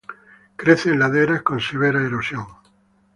Crece en laderas con severa erosión.